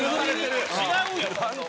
違うよ！